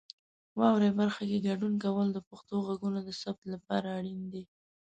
واورئ برخه کې ګډون کول د پښتو غږونو د ثبت لپاره اړین دي.